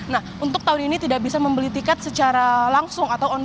nah untuk tahun ini tidak bisa membeli tiket secara langsung atau online